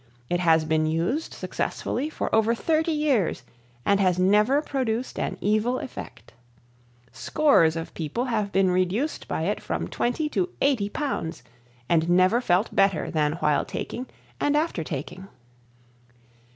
It has been used successfully for over thirty years and has never produced an evil effect. Scores of people have been reduced by it from 20 to 80 pounds and never felt better than while taking and after taking.